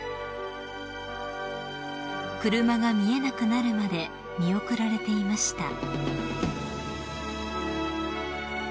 ［車が見えなくなるまで見送られていました］